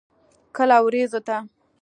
کله ورېځو ته.